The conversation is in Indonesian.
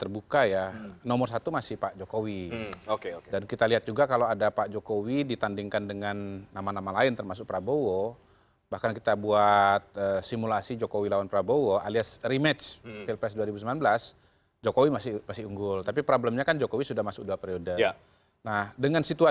bisa ditampilkan juga